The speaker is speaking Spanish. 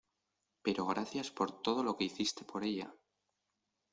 pero gracias por todo lo que hiciste por ella.